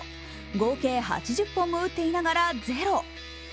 合計８０本も打っていながらゼロ。